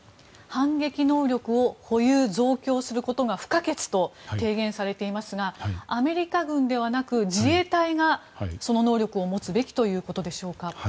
反撃能力を保有・増強することが不可欠と提言されていますがアメリカ軍ではなく自衛隊がその能力を持つべきということでしょうか。